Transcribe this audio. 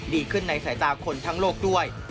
ดีขึ้นในสายตาคนทั้งโลกด้วย